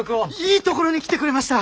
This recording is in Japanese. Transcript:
いいところに来てくれました！